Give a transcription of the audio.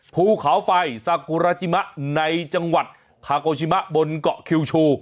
ภูเขาไฟซากุราจิมะในจังหวัดคาโกชิมะบนเกาะคิวชู